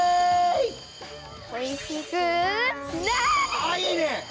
あいいね！